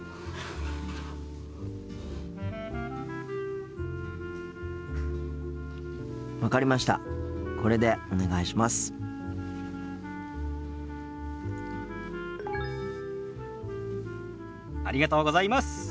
ありがとうございます。